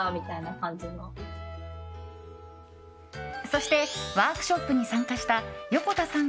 そして、ワークショップに参加した横田さん